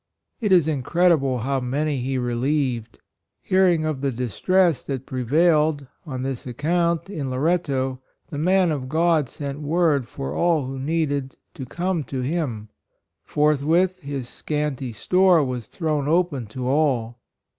It is incredible how many he relieved. Hearing of the distress that pre vailed, on this account, in Loretto, the man of God sent word for all who needed, to come to him ; forth with his scanty store was thrown open to all.